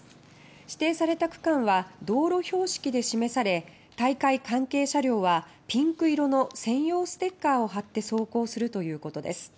指定された区間は道路標識で示され大会関係車両は、ピンク色の専用ステッカーを貼って走行するということです。